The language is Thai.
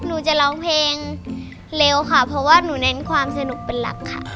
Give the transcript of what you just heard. หนูจะร้องเพลงเร็วค่ะเพราะว่าหนูเน้นความสนุกเป็นหลักค่ะ